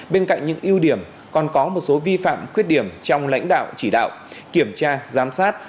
bên cạnh những ưu điểm còn có một số vi phạm khuyết điểm trong lãnh đạo chỉ đạo kiểm tra giám sát